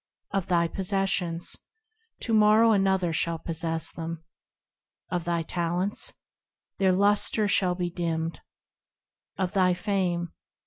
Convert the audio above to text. Of thy possessions ? To morrow another shall possess them. Of thy talents ? Their lusture shall be dimmed. Of thy fame